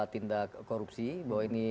tindak korupsi bahwa ini